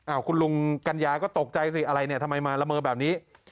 คุณลุงกัญญาก็ตกใจสิอะไรเนี่ยทำไมมาละเมอแบบนี้